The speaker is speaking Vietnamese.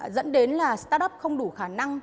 dẫn đến là start up không đủ khả năng